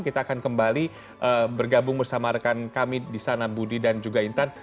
kita akan kembali bergabung bersama rekan kami di sana budi dan juga intan